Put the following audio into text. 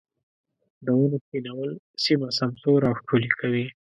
د ونو کښېنول سيمه سمسوره او ښکلې کوي.